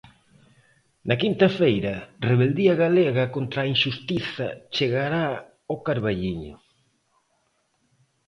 Na quinta feira, Rebeldía galega contra a inxustiza chegará ao Carballiño.